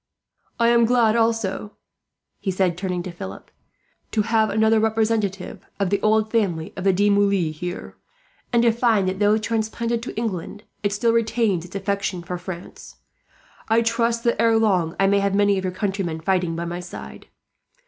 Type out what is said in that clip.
"I am glad also," he said, turning to Philip, "to have another representative of the old family of the De Moulins here; and to find that, though transplanted to England, it still retains its affection for France. I trust that, ere long, I may have many of your countrymen fighting by my side.